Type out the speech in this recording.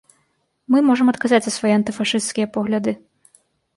Мы можам адказаць за свае антыфашысцкія погляды.